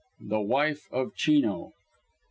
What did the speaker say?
THE WIFE OF CHINO I.